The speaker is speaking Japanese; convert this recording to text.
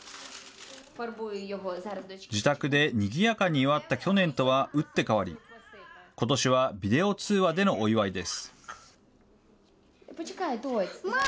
自宅でにぎやかに祝った去年とは打って変わり、ことしはビデオ通話でのお祝いです。